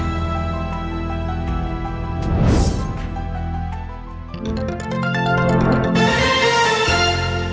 สวัสดีครับ